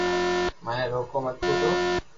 مني روڪو متي نو